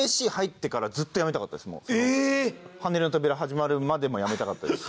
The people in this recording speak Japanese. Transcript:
『はねるのトびら』始まるまでも辞めたかったですし。